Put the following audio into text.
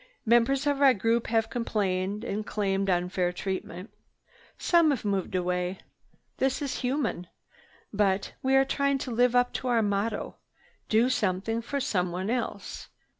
Members of our group have complained and claimed unfair treatment. Some have moved away. This is human. But we are trying to live up to our motto: 'Do something for someone else.